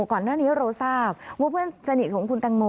ก่อนหน้านี้เราทราบว่าเพื่อนสนิทของคุณตังโม